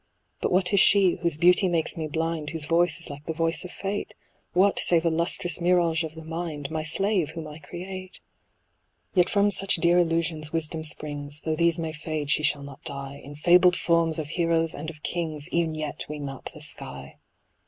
But what is she, whose beauty makes me blind, Whose voice is like the voice of Fate ? What, save a lustrous mirage of the mind, My slave, whom I create ? THE ASTRONOMER. Yet from such dear illusions Wisdom springs, Though these may fade she shall not die ; In fabled forms of heroes and of kings, E'en yet we map the sky.